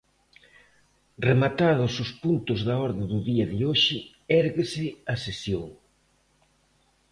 Rematados os puntos da orde do día de hoxe, érguese a sesión.